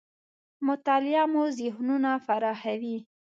مطالعه مو ذهنونه پراخوي .